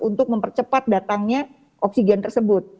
untuk mempercepat datangnya oksigen tersebut